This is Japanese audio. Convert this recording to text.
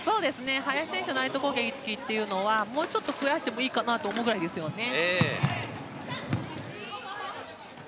林選手のライト攻撃はもうちょっと増やしてもいいかなと思うくらいですよね。